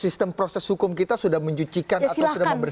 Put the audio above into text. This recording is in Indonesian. sistem proses hukum kita sudah mencucikan atau sudah membersih